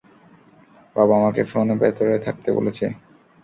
বাবা আমাকে ফোনে ভেতরে থাকতে বলেছে!